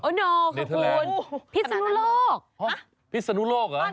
โอ้โน่ขอบคุณพิศนุโลกฮะพิศนุโลกเหรอ